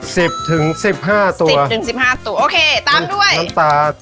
สิบถึงสิบห้าตัวสิบถึงสิบห้าตัวโอเคตามด้วยน้ำตาล